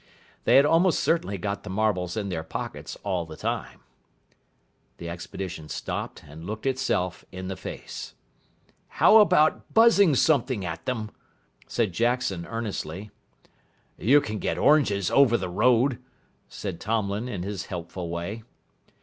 They had almost certainly got the marbles in their pockets all the time. The expedition stopped, and looked itself in the face. "How about buzzing something at them?" said Jackson earnestly. "You can get oranges over the road," said Tomlin in his helpful way.